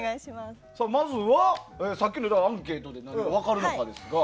まずは、さっきのアンケートで分かるわけですが。